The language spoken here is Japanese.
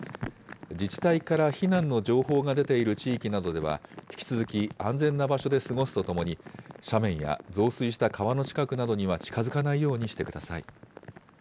自治体から避難の情報が出ている地域などでは、引き続き安全な場所で過ごすとともに、斜面や増水した川の近くなどには近づかないようにしてください。